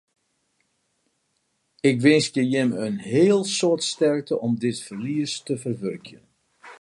Ik winskje jimme in heel soad sterkte om it ferlies te ferwurkjen.